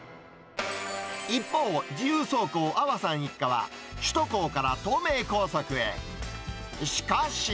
一方、自由走行、安和さん一家は、首都高から東名高速へ。